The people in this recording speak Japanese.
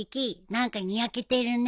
何かにやけてるね。